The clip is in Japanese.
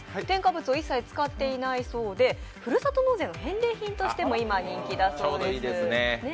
添加物を一切使っていないそうで、ふるさと納税の返礼品としても今、人気だそうです。